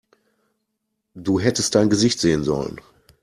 Du hättest dein Gesicht sehen sollen!